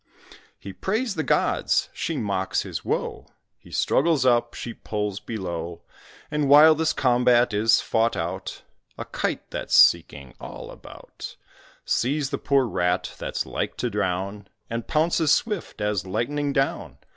He prays the gods; she mocks his woe; He struggles up; she pulls below. And while this combat is fought out, A Kite that's seeking all about Sees the poor Rat that's like to drown; And pounces swift as lightning down.